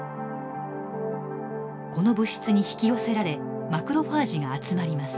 この物質に引き寄せられマクロファージが集まります。